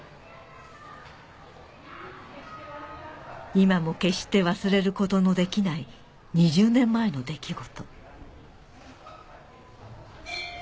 今も決して忘れることのできない２０年前の出来事